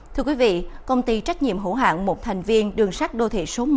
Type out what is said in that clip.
thưa quý vị công ty trách nhiệm hữu hạng một thành viên đường sắt đô thị số một